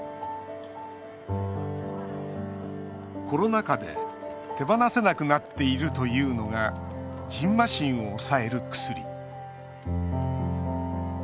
コロナ禍で手放せなくなっているというのがじんましんを抑える薬。